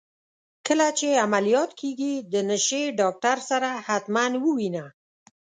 کله چي عمليات کيږې د نشې ډاکتر سره حتما ووينه.